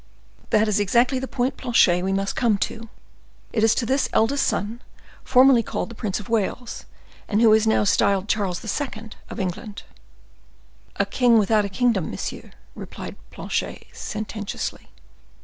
"That is exactly the point, Planchet, we must come to: it is to this eldest son, formerly called the Prince of Wales, and who is now styled Charles II., king of England." "A king without a kingdom, monsieur," replied Planchet, sententiously.